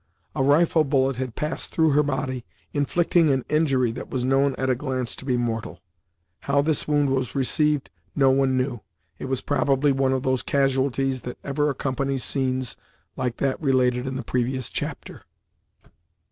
A rifle bullet had passed through her body, inflicting an injury that was known at a glance to be mortal. How this wound was received, no one knew; it was probably one of those casualties that ever accompany scenes like that related in the previous chapter.